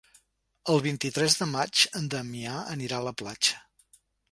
El vint-i-tres de maig en Damià anirà a la platja.